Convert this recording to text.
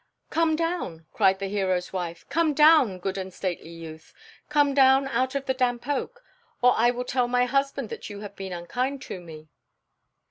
"Come down," cried the hero's wife; "come down, good and stately youth. Come down out of the damp oak, or I will tell my husband that you have been unkind to me."